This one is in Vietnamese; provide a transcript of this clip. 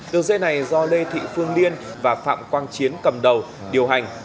đường dây này do lê thị phương liên và phạm quang chiến cầm đầu điều hành